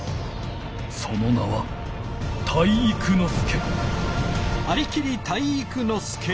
その名は体育ノ介！